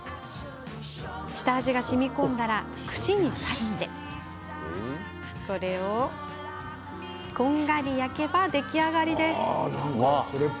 下味がしみこんだら串に刺してこんがり焼けば出来上がり。